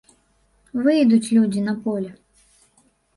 Выйдуць людзі на поле.